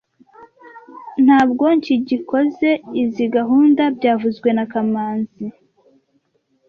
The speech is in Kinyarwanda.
Ntabwo nshyigikizoe izoi gahunda byavuzwe na kamanzi